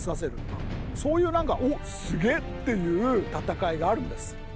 そういう何か「おっすげえ」っていう戦いがあるんです。